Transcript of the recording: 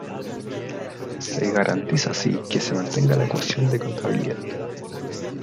Se garantiza así que se mantenga la ecuación de contabilidad.